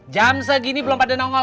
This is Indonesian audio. jam segini belum pada nongol